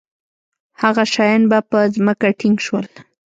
هغه شیان به په ځمکه ټینګ شول.